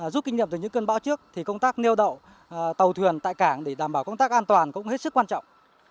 giúp kinh nghiệm từ những cơn bão trước thì công tác neo đậu tàu thuyền tại cảng để đảm bảo công tác an toàn cũng hết sức quan trọng